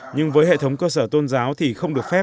nhưng với hệ thống cơ sở tôn giáo thì không được phép